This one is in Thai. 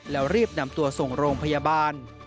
แล้วรีบนำตัวส่งโรงพยาบาล